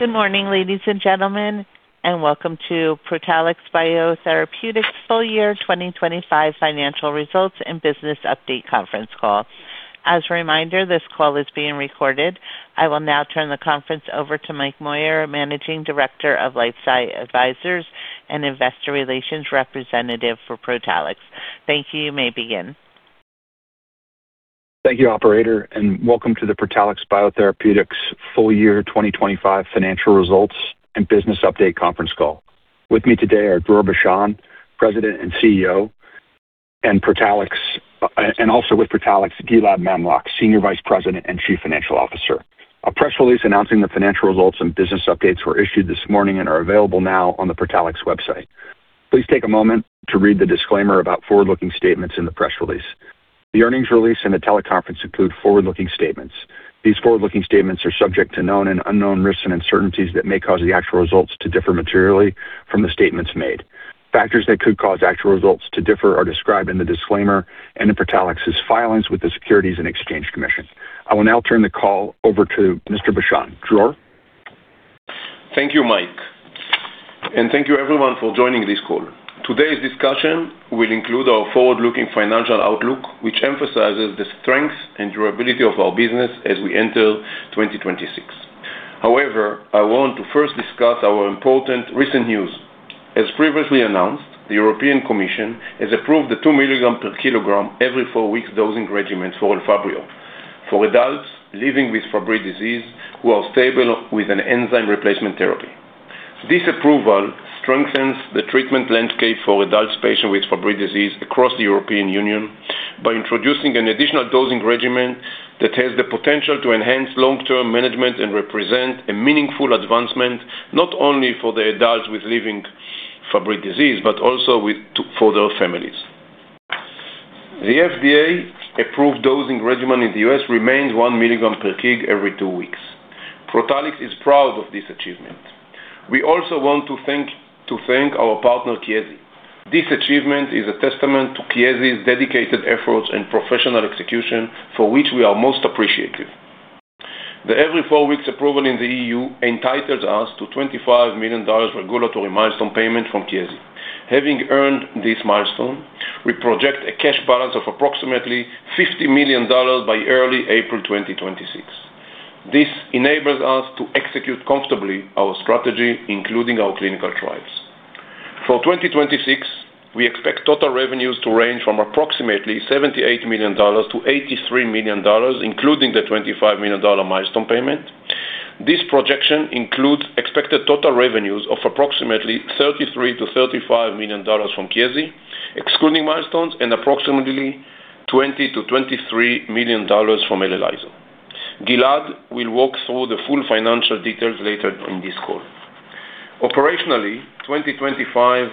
Good morning, ladies and gentlemen and welcome to Protalix BioTherapeutics full year 2025 financial results and business update conference call. As a reminder, this call is being recorded. I will now turn the conference over to Mike Moyer, Managing Director of LifeSci Advisors and investor relations representative for Protalix. Thank you. You may begin. Thank you, operator and welcome to the Protalix BioTherapeutics full year 2025 financial results and business update conference call. With me today are Dror Bashan, President and CEO, Gilad Mamlok, Senior Vice President and Chief Financial Officer. A press release announcing the financial results and business updates were issued this morning and are available now on the Protalix website. Please take a moment to read the disclaimer about forward-looking statements in the press release. The earnings release and the teleconference include forward-looking statements. These forward-looking statements are subject to known and unknown risks and uncertainties that may cause the actual results to differ materially from the statements made. Factors that could cause actual results to differ are described in the disclaimer and in Protalix's filings with the Securities and Exchange Commission. I will now turn the call over to Mr. Bashan. Dror? Thank you, Mike and thank you everyone for joining this call. Today's discussion will include our forward-looking financial outlook, which emphasizes the strength and durability of our business as we enter 2026. However, I want to first discuss our important recent news. As previously announced, the European Commission has approved the 2 mg/kg every four weeks dosing regimen for Elfabrio for adults living with Fabry disease who are stable with an enzyme replacement therapy. This approval strengthens the treatment landscape for adult patients with Fabry disease across the European Union by introducing an additional dosing regimen that has the potential to enhance long-term management and represent a meaningful advancement, not only for the adults living with Fabry disease but also for their families. The FDA-approved dosing regimen in the U.S. remains 1 mg/kg every two weeks. Protalix is proud of this achievement. We also want to thank our partner, Chiesi. This achievement is a testament to Chiesi's dedicated efforts and professional execution, for which we are most appreciative. The every four weeks approval in the EU entitles us to $25 million regulatory milestone payment from Chiesi. Having earned this milestone, we project a cash balance of approximately $50 million by early April 2026. This enables us to execute comfortably our strategy, including our clinical trials. For 2026, we expect total revenues to range from approximately $78 million-$83 million, including the $25 million milestone payment. This projection includes expected total revenues of approximately $33 million-$35 million from Chiesi, excluding milestones and approximately $20 million-$23 million from Elelyso. Gilad will walk through the full financial details later in this call. Operationally, 2025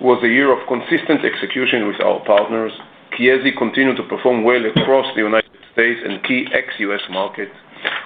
was a year of consistent execution with our partners. Chiesi continued to perform well across the United States and key ex-U.S. markets,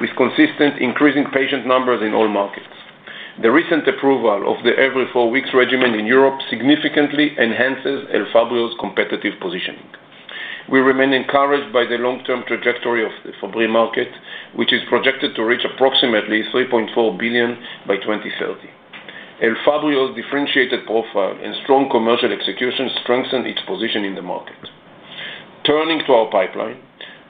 with consistent increasing patient numbers in all markets. The recent approval of the every four weeks regimen in Europe significantly enhances Elfabrio's competitive positioning. We remain encouraged by the long-term trajectory of the Fabry market, which is projected to reach approximately $3.4 billion by 2030. Elfabrio's differentiated profile and strong commercial execution strengthen its position in the market. Turning to our pipeline,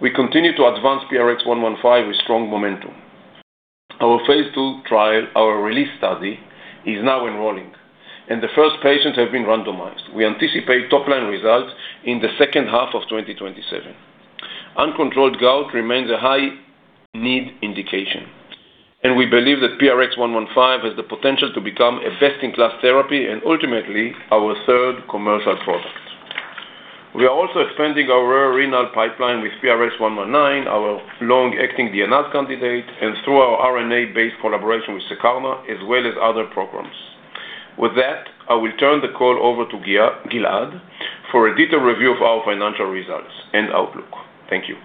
we continue to advance PRX-115 with strong momentum. Our phase II trial, our RELEASE study, is now enrolling and the first patients have been randomized. We anticipate top-line results in the second half of 2027. Uncontrolled gout remains a high need indication and we believe that PRX-115 has the potential to become a best-in-class therapy and ultimately our third commercial product. We are also expanding our renal pipeline with PRX-119, our long-acting DNase candidate and through our RNA-based collaboration with Secarna, as well as other programs. With that, I will turn the call over to Gilad for a detailed review of our financial results and outlook. Thank you.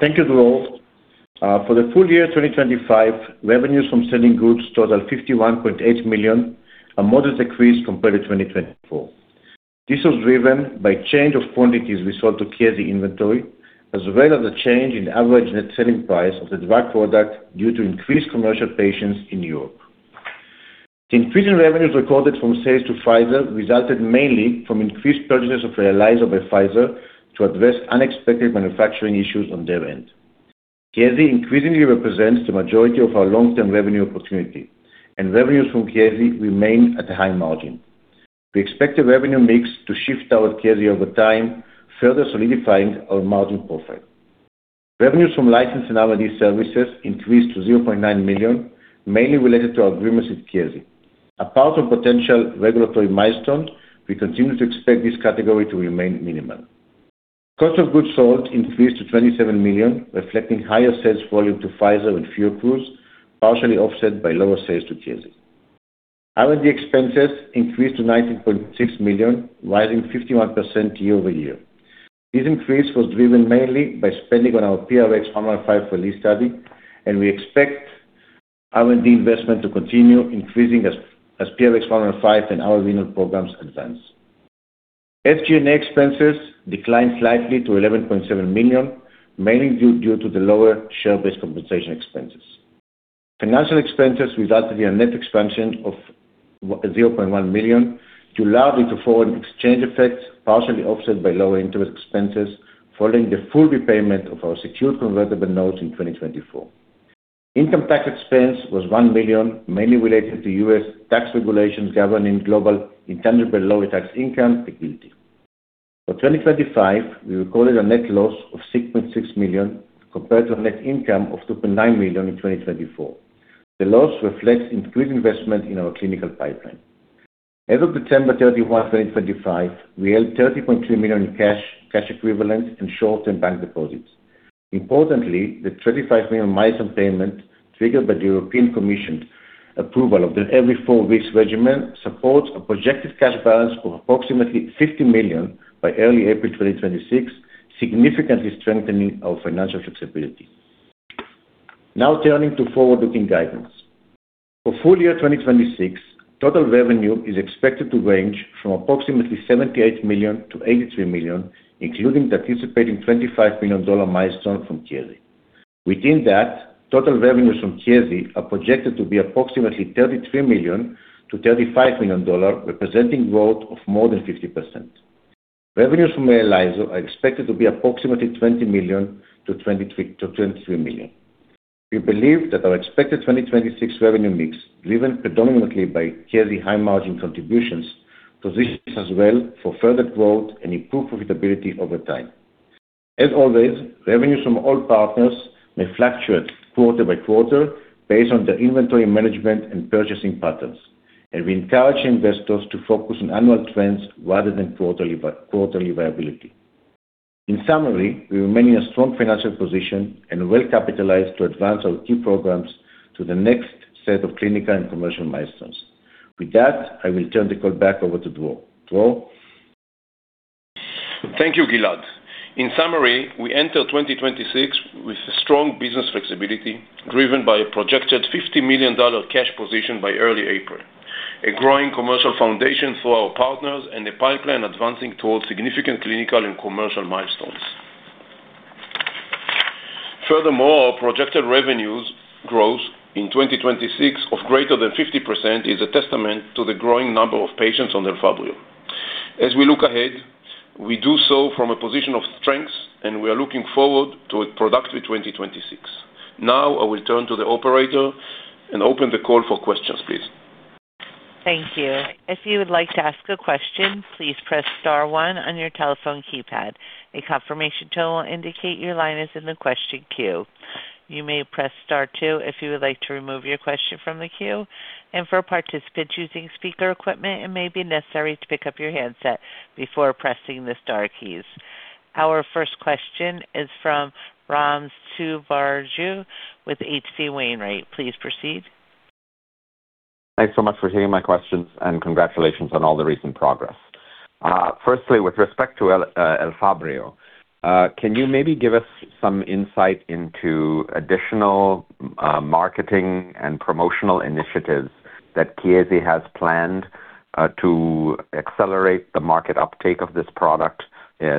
Thank you, Dror. For the full year 2025, revenues from selling goods totaled $51.8 million, a modest decrease compared to 2024. This was driven by changes in quantities we sold to Chiesi's inventory, as well as a change in average net selling price of the drug product due to increased commercial patients in Europe. Increased revenues recorded from sales to Pfizer resulted mainly from increased purchases of Elelyso by Pfizer to address unexpected manufacturing issues on their end. Chiesi increasingly represents the majority of our long-term revenue opportunity and revenues from Chiesi remain at a high margin. We expect the revenue mix to shift toward Chiesi over time, further solidifying our margin profile. Revenues from license and R&D services increased to $0.9 million, mainly related to our agreements with Chiesi. Apart from potential regulatory milestones, we continue to expect this category to remain minimal. Cost of goods sold increased to $27 million, reflecting higher sales volume to Pfizer and higher costs, partially offset by lower sales to Chiesi. R&D expenses increased to $19.6 million, rising 51% year-over-year. This increase was driven mainly by spending on our PRX-115 RELEASE study and we expect R&D investment to continue increasing as PRX-115 and our renal programs advance. SG&A expenses declined slightly to $11.7 million, mainly due to the lower share-based compensation expenses. Financial expenses resulted in a net expense of $0.1 million due largely to foreign exchange effects, partially offset by lower interest expenses following the full repayment of our secured convertible notes in 2024. Income tax expense was $1 million, mainly related to U.S. tax regulations governing global intangible low-taxed income. For 2025, we recorded a net loss of $6.6 million compared to a net income of $2.9 million in 2024. The loss reflects increased investment in our clinical pipeline. As of December 31, 2025, we held $30.3 million in cash equivalents and short-term bank deposits. Importantly, the $25 million milestone payment triggered by the European Commission approval of the every four weeks regimen supports a projected cash balance of approximately $50 million by early April 2026, significantly strengthening our financial flexibility. Now turning to forward-looking guidance. For full year 2026, total revenue is expected to range from approximately $78 million-$83 million, including the $25 million milestone from Chiesi. Within that, total revenues from Chiesi are projected to be approximately $33 million-$35 million, representing growth of more than 50%. Revenues from Elelyso are expected to be approximately $20 million-$23 million. We believe that our expected 2026 revenue mix, driven predominantly by Chiesi high margin contributions, positions us well for further growth and improved profitability over time. As always, revenues from all partners may fluctuate quarter by quarter based on their inventory management and purchasing patterns. We encourage investors to focus on annual trends rather than quarterly volatility. In summary, we remain in a strong financial position and well capitalized to advance our key programs to the next set of clinical and commercial milestones. With that, I will turn the call back over to Dror. Dror? Thank you, Gilad. In summary, we enter 2026 with strong business flexibility, driven by a projected $50 million cash position by early April, a growing commercial foundation through our partners and a pipeline advancing towards significant clinical and commercial milestones. Furthermore, projected revenues growth in 2026 of greater than 50% is a testament to the growing number of patients on Elfabrio. As we look ahead, we do so from a position of strength and we are looking forward to a productive 2026. Now I will turn to the operator and open the call for questions, please. Thank you. If you would like to ask a question, please press star one on your telephone keypad. A confirmation tone will indicate your line is in the question queue. You may press star two if you would like to remove your question from the queue and for participants using speaker equipment, it may be necessary to pick up your handset before pressing the star keys. Our first question is from Ram Selvaraju with H.C. Wainwright. Please proceed. Thanks so much for taking my questions and congratulations on all the recent progress. Firstly, with respect to Elfabrio, can you maybe give us some insight into additional marketing and promotional initiatives that Chiesi has planned to accelerate the market uptake of this product,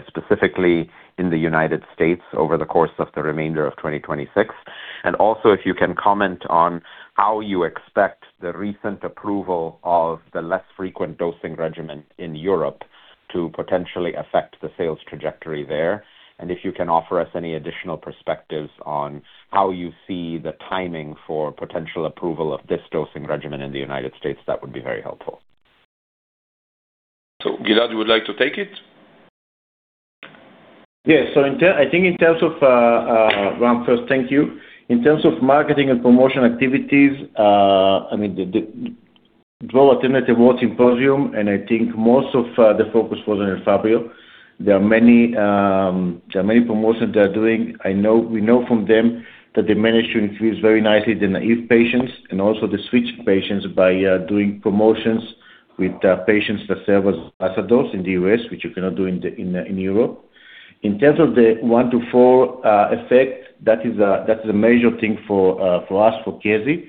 specifically in the United States over the course of the remainder of 2026? Also, if you can comment on how you expect the recent approval of the less frequent dosing regimen in Europe to potentially affect the sales trajectory there? If you can offer us any additional perspectives on how you see the timing for potential approval of this dosing regimen in the United States, that would be very helpful. Gilad, would like to take it? Yes. I think in terms of, Ram, first, thank you. In terms of marketing and promotion activities, I mean, the Dror attended WORLDSymposium and I think most of the focus was on Elfabrio. There are many promotions they are doing. We know from them that they managed to increase very nicely the naive patients and also the switch patients by doing promotions with patients that serve as ambassadors in the U.S., which you cannot do in Europe. In terms of the one to four effect, that is a major thing for us, for Chiesi.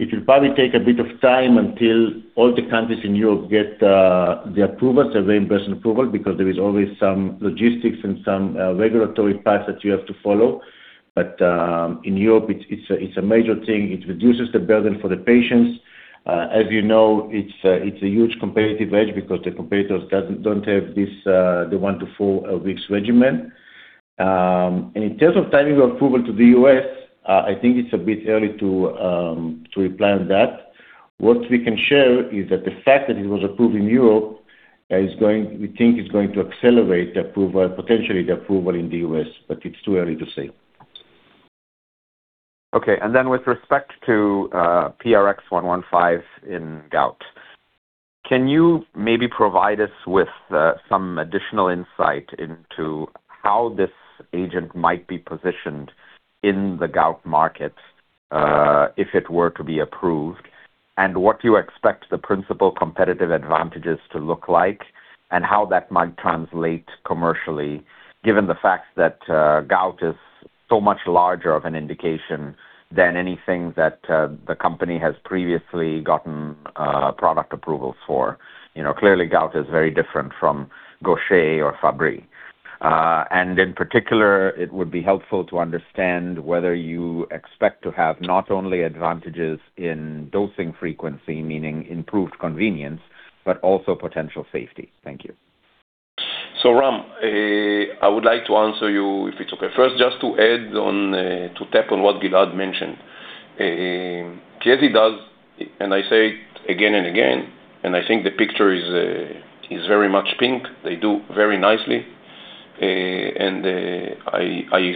It will probably take a bit of time until all the countries in Europe get the approval, separate national approval, because there is always some logistics and some regulatory paths that you have to follow. In Europe, it's a major thing. It reduces the burden for the patients. As you know, it's a huge competitive edge because the competitors don't have this, the one-four weeks regimen. In terms of timing of approval in the U.S., I think it's a bit early to plan that. What we can share is that the fact that it was approved in Europe we think is going to accelerate the approval, potentially the approval in the U.S. but it's too early to say. Okay. With respect to PRX-115 in gout, can you maybe provide us with some additional insight into how this agent might be positioned in the gout market, if it were to be approved? What do you expect the principal competitive advantages to look like and how that might translate commercially, given the fact that gout is so much larger of an indication than anything that the company has previously gotten product approvals for, you know, clearly, gout is very different from Gaucher or Fabry. In particular, it would be helpful to understand whether you expect to have not only advantages in dosing frequency, meaning improved convenience but also potential safety. Thank you. Ram, I would like to answer you if it's okay. First, just to add on to tap on what Gilad mentioned. Chiesi does and I say it again and again and I think the picture is very much pink. They do very nicely. I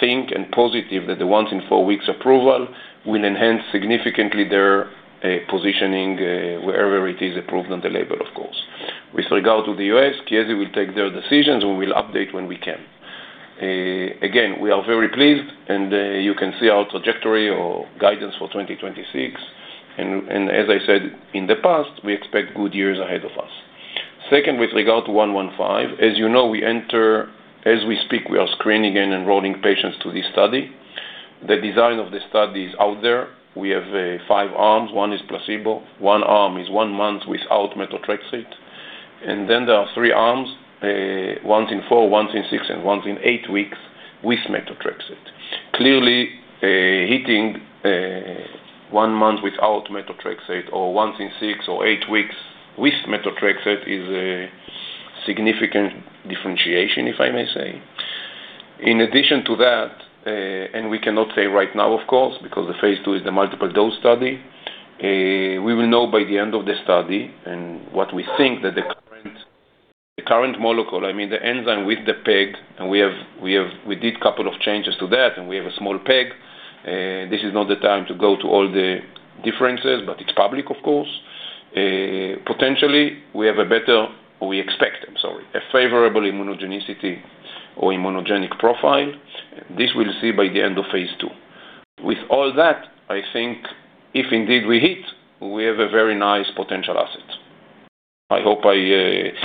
think I'm positive that the once in four weeks approval will enhance significantly their positioning wherever it is approved on the label, of course. With regard to the U.S., Chiesi will take their decisions and we'll update when we can. Again, we are very pleased and you can see our trajectory or guidance for 2026. As I said, in the past, we expect good years ahead of us. Second, with regard to PRX-115, as you know, we enter. As we speak, we are screening and enrolling patients to this study. The design of the study is out there. We have five arms. One is placebo. One arm is one month without methotrexate. Then there are three arms, once in four, once in six and once in eight weeks with methotrexate. Clearly, hitting one month without methotrexate or once in six or eight weeks with methotrexate is a significant differentiation, if I may say. In addition to that, we cannot say right now, of course, because the phase II is the multiple dose study, we will know by the end of the study and what we think that the current molecule, I mean, the enzyme with the PEG and we have we did couple of changes to that and we have a small PEG. This is not the time to go to all the differences but it's public, of course. Potentially, we expect a favorable immunogenicity or immunogenic profile. This we'll see by the end of phase II. With all that, I think if indeed we hit, we have a very nice potential asset.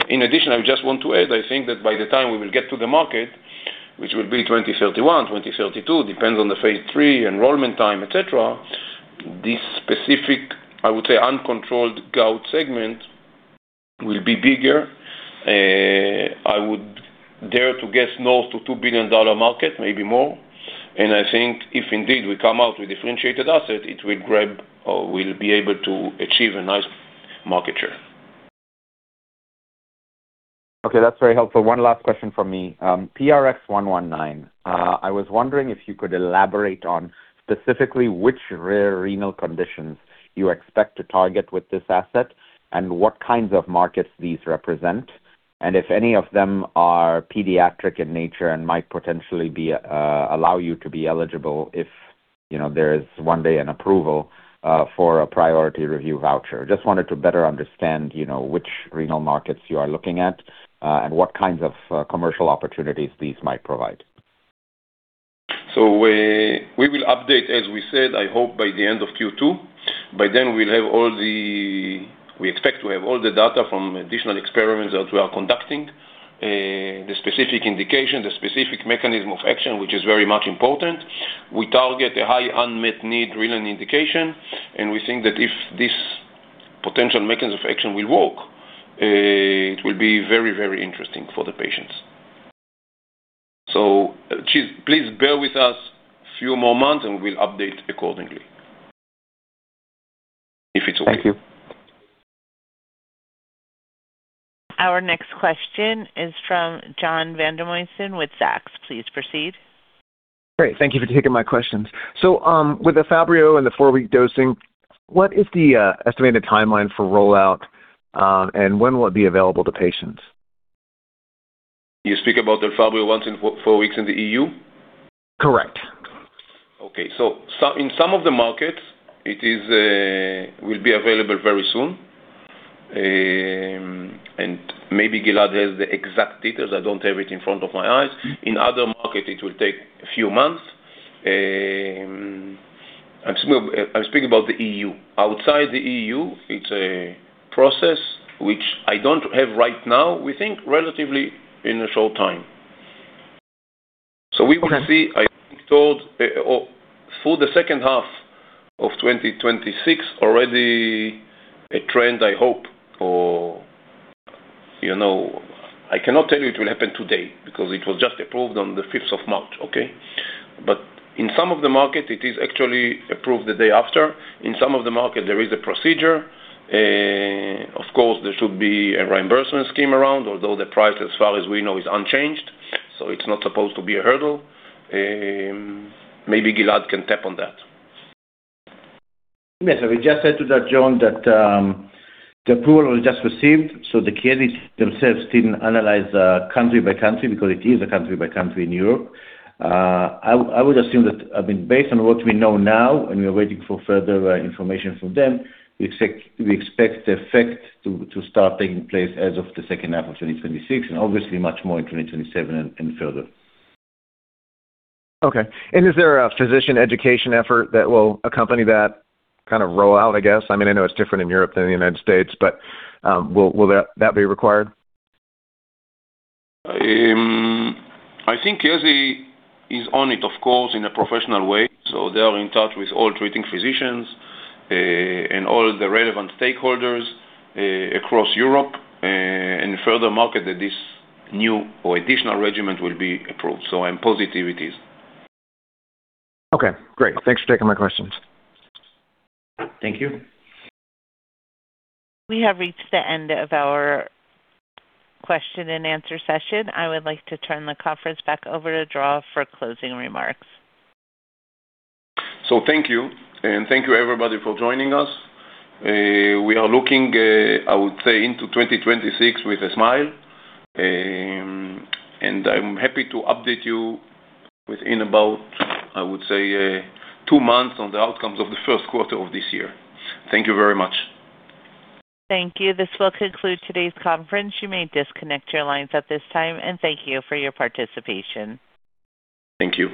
In addition, I just want to add, I think that by the time we will get to the market, which will be 2031, 2032, depends on the phase III, enrollment time, et cetera, this specific, I would say, uncontrolled gout segment will be bigger. I would dare to guess north of $2 billion market, maybe more. I think if indeed we come out with differentiated asset, it will grab or will be able to achieve a nice market share. Okay, that's very helpful. One last question from me. PRX-119. I was wondering if you could elaborate on specifically which rare renal conditions you expect to target with this asset and what kinds of markets these represent and if any of them are pediatric in nature and might potentially allow you to be eligible if, you know, there is one day an approval for a priority review voucher. Just wanted to better understand, you know, which renal markets you are looking at and what kinds of commercial opportunities these might provide. We will update, as we said, I hope by the end of Q2. By then, we'll have all the data from additional experiments that we are conducting. The specific indication, the specific mechanism of action, which is very much important. We target a high unmet need renal indication and we think that if this potential mechanism of action will work, it will be very, very interesting for the patients. Please bear with us few more months and we'll update accordingly. If it's okay. Thank you. Our next question is from John Vandermosten with Zacks. Please proceed. Great. Thank you for taking my questions. With Elfabrio and the four-week dosing, what is the estimated timeline for rollout and when will it be available to patients? You speak about Elfabrio once in four weeks in the EU? Correct. In some of the markets, it will be available very soon. Maybe Gilad has the exact details. I don't have it in front of my eyes. In other markets, it will take a few months. I'm speaking about the EU. Outside the EU, it's a process which I don't have right now. We think relatively in a short time. We will see, I think, toward or for the second half of 2026, already a trend, I hope. Or, you know, I cannot tell you it will happen today because it was just approved on the fifth of March, okay? In some of the markets, it is actually approved the day after. In some of the markets, there is a procedure. Of course, there should be a reimbursement scheme around, although the price, as far as we know, is unchanged, so it's not supposed to be a hurdle. Maybe Gilad can tap on that. Yes. As we just said to that, John, that the approval was just received, so the Chiesi themselves didn't analyze the country by country because it is a country by country in Europe. I would assume that, I mean, based on what we know now and we are waiting for further information from them, we expect the effect to start taking place as of the second half of 2026 and obviously much more in 2027 and further. Okay. Is there a physician education effort that will accompany that kinda rollout, I guess? I mean, I know it's different in Europe than the United States but will that be required? I think Chiesi is on it, of course, in a professional way, so they are in touch with all treating physicians and all the relevant stakeholders, across Europe and further market that this new or additional regimen will be approved. I'm positive it is. Okay, great. Thanks for taking my questions. Thank you. We have reached the end of our question and answer session. I would like to turn the conference back over to Dror for closing remarks. Thank you. Thank you, everybody, for joining us. We are looking, I would say, into 2026 with a smile. I'm happy to update you within about, I would say, two months on the outcomes of the first quarter of this year. Thank you very much. Thank you. This will conclude today's conference. You may disconnect your lines at this time and thank you for your participation. Thank you.